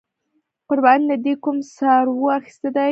قربانۍ له دې کوم څاروې اغستی دی؟